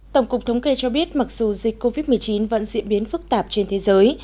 tổng cục thống kê cho biết mặc dù dịch covid một mươi chín vẫn diễn biến phức tạp trên thế giới